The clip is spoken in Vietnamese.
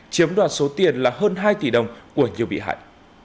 chiếm đoạt số tiền là hơn hai tỷ đồng của nhiều bị hại